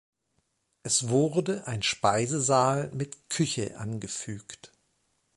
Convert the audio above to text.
Es wurde ein Speisesaal mit Küche angefügt.